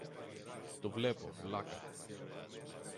Το βλέπω, βλάκα!